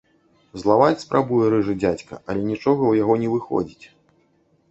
Злаваць спрабуе рыжы дзядзька, але нічога ў яго не выходзіць.